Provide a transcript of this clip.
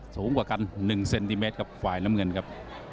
สูงกว่ากัน๑เซนติเมตรครับฝ่ายน้ำเงินครับ